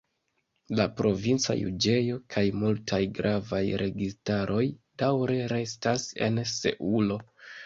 La provinca juĝejo kaj multaj gravaj registaroj daŭre restas en Seulo.